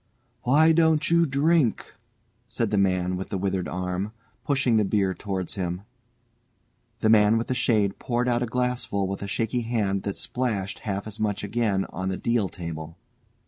"Why don't you drink?" said the man with the withered arm, pushing the beer towards him. The man with the shade poured out a glassful with a shaky hand that splashed half as much again on the deal table.